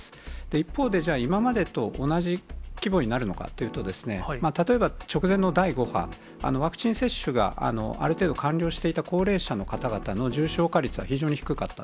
一方で、じゃあ今までと同じ規模になるのかっていうと、例えば、直前の第５波、ワクチン接種がある程度完了していた高齢者の方々の重症化率は非常に低かった。